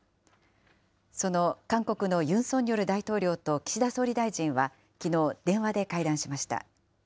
その韓国のユン・ソンニョル大統領と岸田総理大臣はきのう、電話で会談しました。